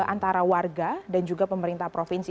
antara warga dan juga pemerintah provinsi